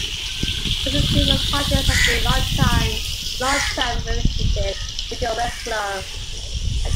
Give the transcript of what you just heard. Since his divorce, Partridge has been in a long-term relationship with Erica Wexler.